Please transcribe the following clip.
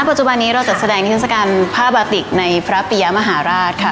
ปัจจุบันนี้เราจัดแสดงนิทัศกาลผ้าบาติกในพระปิยมหาราชค่ะ